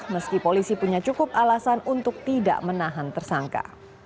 meski polisi punya cukup alasan untuk tidak menahan tersangka